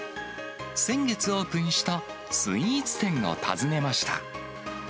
先月オープンしたスイーツ店を訪ねました。